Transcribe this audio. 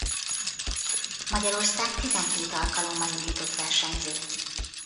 Magyarország tizenhét alkalommal indított versenyzőt.